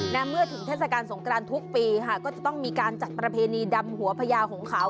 และเมื่อถึงทศกศทุกปีก็จะต้องมีการจัดประเพณีดำหัวพระยาของขาว